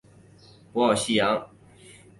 博奥西扬。